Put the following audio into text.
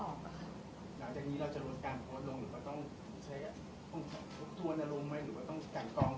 หลังจากนี้เราจะลดการโพสต์ลงหรือก็ต้อง